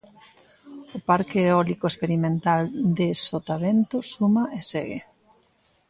O parque eólico experimental de Sotavento suma e segue.